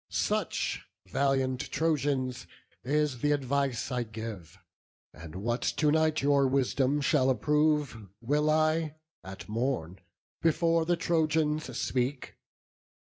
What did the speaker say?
Such, valiant Trojans, is th' advice I give; And what to night your wisdom shall approve Will I, at morn, before the Trojans speak.